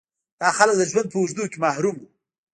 دا خلک د ژوند په اوږدو کې محروم وو.